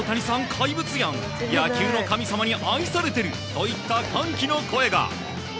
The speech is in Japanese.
怪物やん野球の神様に愛されているといった歓喜の声が。